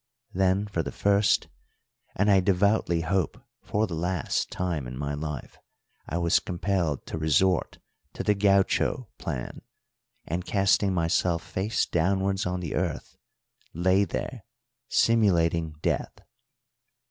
Then for the first, and I devoutly hope for the last, time in my life I was compelled to resort to the gaucho plan, and, casting myself face downwards on the earth, lay there simulating death.